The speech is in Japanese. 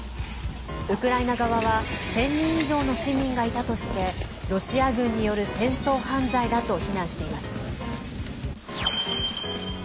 ウクライナ側は１０００人以上の市民がいたとしてロシア軍による戦争犯罪だと非難しています。